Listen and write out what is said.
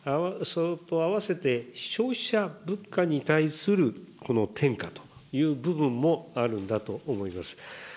併せて、消費者物価に対するこの転嫁という部分もあるんだと思います。